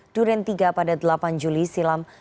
duren tiga pada delapan juli silam